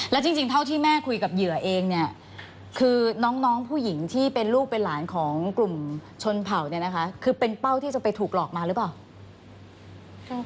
แล้วจริงเท่าที่แม่คุยกับเหยื่อเองเนี่ยคือน้องผู้หญิงที่เป็นลูกเป็นหลานของกลุ่มชนเผ่าเนี่ยนะคะคือเป็นเป้าที่จะไปถูกหลอกมาหรือเปล่า